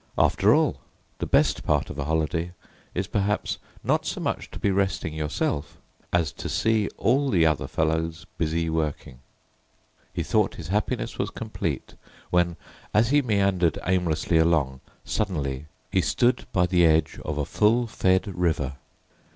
After all, the best part of a holiday is perhaps not so much to be resting yourself, as to see all the other fellows busy working. He thought his happiness was complete when, as he meandered aimlessly along, suddenly he stood by the edge of a full fed river.